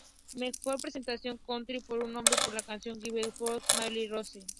Mejor Presentación Country Por un Hombre por la canción "Give My Love To Rose".